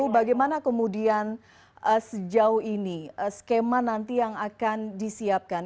bagaimana kemudian sejauh ini skema nanti yang akan disiapkan